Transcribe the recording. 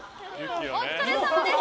お疲れさまです。